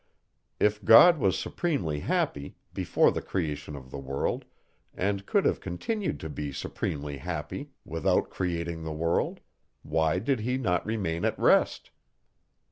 If God was supremely happy, before the creation of the world, and could have continued to be supremely happy, without creating the world, why did he not remain at rest?